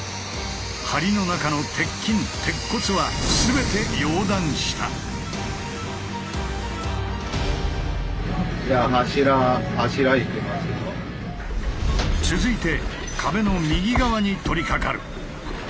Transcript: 梁の中の鉄筋鉄骨は続いて壁の右側に取りかかる。